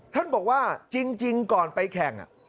ท่านบอกว่าจริงก่อนไปแข่ง